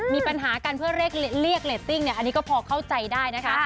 มีปัญหากันเพื่อเรียกเรทติ้งก็พอเข้าใจได้นะคะ